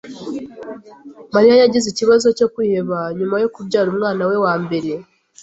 Mariya yagize ikibazo cyo kwiheba nyuma yo kubyara umwana we wa mbere.